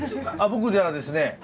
僕じゃあですね